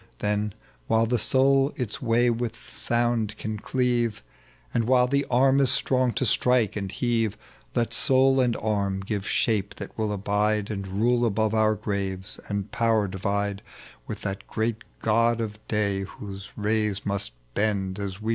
Then white the soul its way with sound can cleave, . And while the arm is strong to strike and heave, Let soul and arm give shape that will abide And rule above our graves, and power divide With that great god of day, whose rays must bend As we shai!